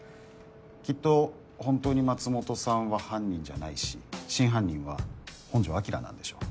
きっと本当に松本さんは犯人じゃないし真犯人は本城彰なんでしょう。